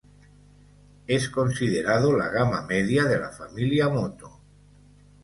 Es considerado la gama media de la familia Moto.